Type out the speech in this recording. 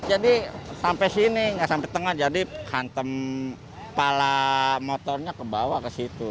jadi sampai sini nggak sampai tengah jadi hantem kepala motornya kebawah ke situ